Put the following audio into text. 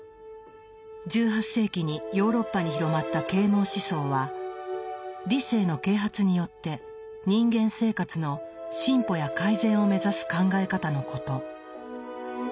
１８世紀にヨーロッパに広まった啓蒙思想は理性の啓発によって人間生活の進歩や改善を目指す考え方のこと。